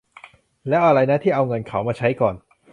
แล้วอะไรนะ ที่เอาเงินเขามาใช้ก่อน